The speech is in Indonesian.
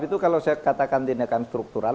itu kalau saya katakan tindakan struktural